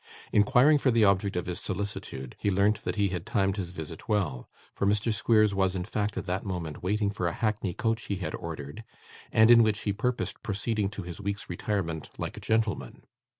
Inquiring for the object of his solicitude, he learnt that he had timed his visit well; for Mr Squeers was, in fact, at that moment waiting for a hackney coach he had ordered, and in which he purposed proceeding to his week's retirement, like a gentleman.